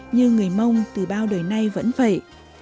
như người mông từ bao đời nay vẫn vậy